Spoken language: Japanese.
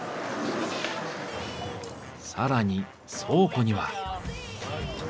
更に倉庫には。